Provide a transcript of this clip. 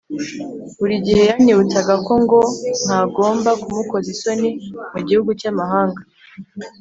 buri gihe yanyibutsaga ko ngo ntagomba kumukoza isoni mu gihugu cy’amahanga